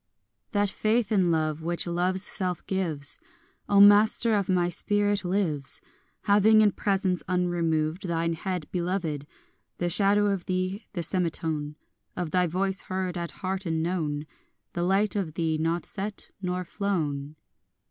4 That faith in love which love's self gives, O master of my spirit, lives, Having in presence unremoved Thine head beloved, The shadow of thee, the semitone Of thy voice heard at heart and known, The light of thee not set nor flown.